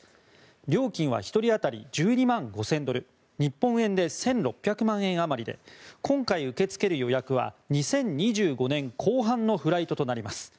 料金は１人当たり１２万５０００ドル日本円で１６００万円余りで今回、受け付ける予約は２０２５年後半のフライトとなります。